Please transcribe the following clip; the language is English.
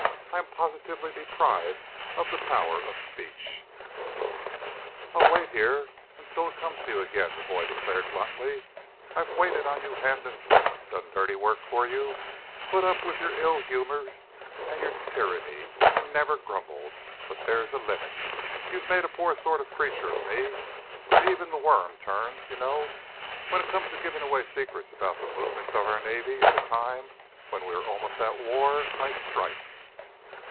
I am positively deprived of the power of speech." "I'll wait here till it comes to you again, then," the boy declared bluntly. "I've waited on you hand and foot, done dirty work for you, put up with your ill humours and your tyranny, and never grumbled. But there is a limit! You've made a poor sort of creature of me, but even the worm turns, you know. When it comes to giving away secrets about the movements of our navy at a time when we are almost at war, I strike."